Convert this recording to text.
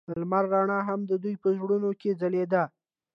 د لمر رڼا هم د دوی په زړونو کې ځلېده.